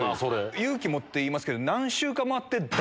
勇気持って言いますけど。